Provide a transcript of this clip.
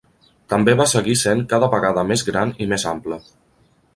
També va seguir sent cada vegada més gran i més ample.